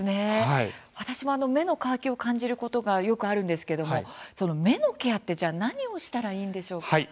私も目の乾きを感じることがよくあるんですけど目のケアって何をしたらいいのでしょうか？